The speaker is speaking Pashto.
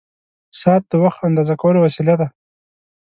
ساعت د وخت اندازه کولو وسیله ده.